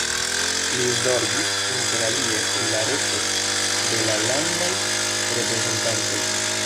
Li zorgis interalie pri la reto de la Landaj Reprezentantoj.